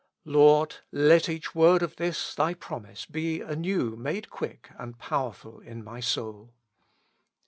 Lord ! let each word of this Thy promise be anew made quick and powerful in my soul.